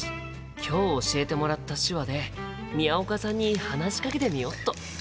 今日教えてもらった手話で宮岡さんに話しかけてみよっと！